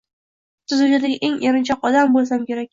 Hatto dunyodagi eng erinchoq odam bo’lsam kerak